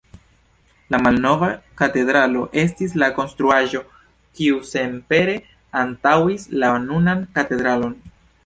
La "malnova katedralo" estis la konstruaĵo, kiu senpere antaŭis la nunan katedralon.